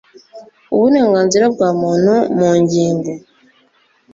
Uburenganzira bwa Muntu mu ngingo